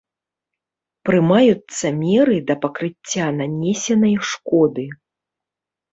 Прымаюцца меры да пакрыцця нанесенай шкоды.